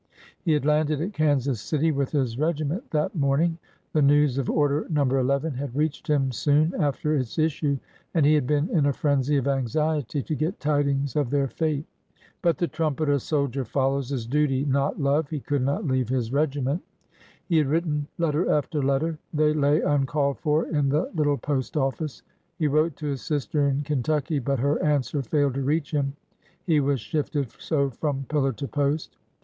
He had landed at Kansas City with his regiment that morning. The news of Order No. ii had reached him soon after its issue, and he had been in a frenzy of anxiety to get tidings of their fate. But the trumpet a soldier '^SCATTERED AND PEELED" 329 follows is Duty, not Love. He could not leave his regiment. He had written letter after letter. They lay uncalled for in the little post office. He wrote to his sister in Ken tucky, but her answer failed to reach him, he was shifted so from pillar to post.